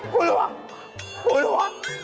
กูรัว